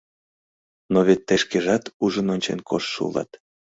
— Но вет тый шкежат ужын-ончен коштшо улат!